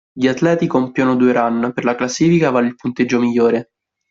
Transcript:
Gli atleti compiono due run; per la classifica vale il punteggio migliore.